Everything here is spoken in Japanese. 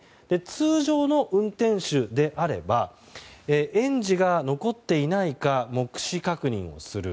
通常の運転手であれば園児が残っていないか目視確認をする。